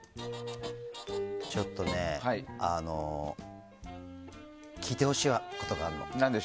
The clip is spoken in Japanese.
ちょっとね聞いてほしいことがあるの。